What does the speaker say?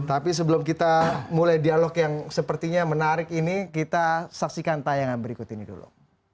tapi sebelum kita mulai dialog yang sepertinya menarik ini kita saksikan tayangan berikut ini dulu